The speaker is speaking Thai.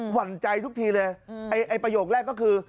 หั่นใจทุกทีเลยไอ้ประโยคแรกก็คือ